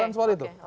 bukan soal itu